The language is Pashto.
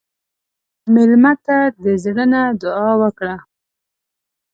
مېلمه ته د زړه نه دعا وکړه.